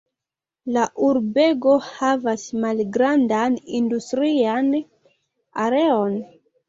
La urbego havas malgrandan industrian areon.